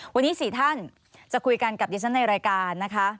วันนี้๔ท่านจะคุยกันกับดิฉันในรายการนะคะ